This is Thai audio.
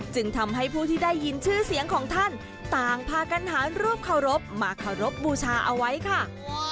จึงทำให้ผู้ที่ได้ยินชื่อเสียงของท่านต่างพากันหารรูปเคารพมาเคารพบูชาเอาไว้ค่ะ